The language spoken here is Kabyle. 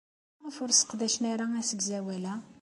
Maɣef ur sseqdacen ara asegzawal-a?